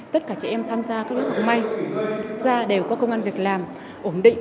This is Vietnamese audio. tất cả chị em tham gia các lớp học may ra đều có công an việc làm ổn định